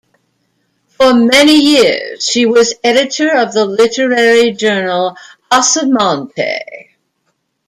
For many years she was editor of the literary journal "Asomante".